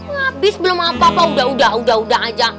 ngabis belum apa apa udah udah aja